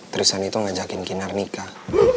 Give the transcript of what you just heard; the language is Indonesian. terusan itu ngajakin kinar nikah